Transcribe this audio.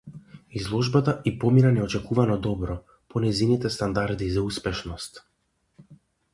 Изложбата ѝ помина неочекувано добро, по нејзините стандарди за успешност.